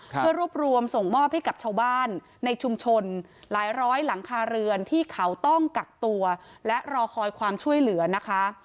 เพื่อรวบรวมส่งมอบให้กับชาวบ้านในชุมชนหลายร้อยหลังคาเรือนที่เขาต้องกักตัวและรอคอยความช่วยเหลือนะคะ